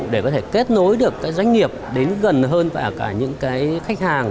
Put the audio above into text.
để có thể kết nối được các doanh nghiệp đến gần hơn cả những khách hàng